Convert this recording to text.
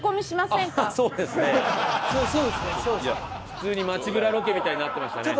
普通に街ブラロケみたいになってましたね。